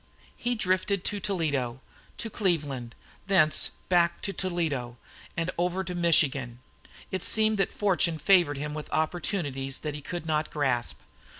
He drifted to Toledo, to Cleveland, thence back to Toledo and over into Michigan. It seemed that fortune favored him with opportunities that he could not grasp.